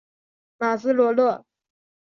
马兹罗勒。